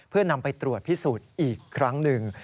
เพื่อนำไปตรวจพิสูจน์อีกครั้งหนึ่ง